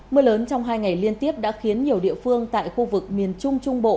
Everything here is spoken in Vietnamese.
mưa lớn trong hai ngày liên tiếp đã khiến nhiều địa phương tại khu vực miền trung trung bộ